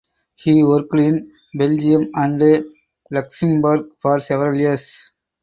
He worked in Belgium and Luxembourg for several years.